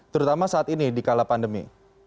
terutama saat ini di kala pandemi